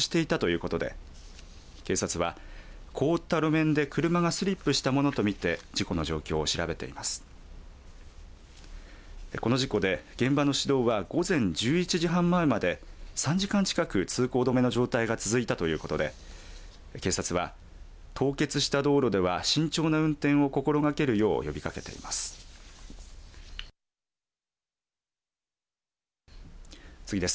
この事故で現場の市道は午前１１時半前まで３時間近く通行止めの状態が続いたということで警察は、凍結した道路では慎重な運転を心がけるよう呼びかけています。